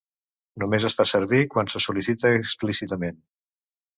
Només es fa servir quan se sol·licita explícitament.